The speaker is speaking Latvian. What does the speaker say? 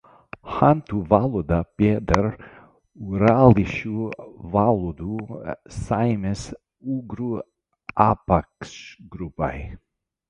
Hantu valoda pieder urāliešu valodu saimes ugru apakšgrupai.